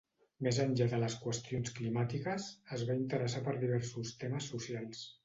Més enllà de les qüestions climàtiques, es va interessar per diversos temes socials.